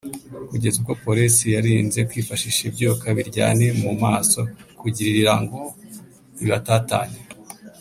kugeza ubwo Polisi yarinze kwifashisha ibyuka biryani mu maso kugirirango ibatatanye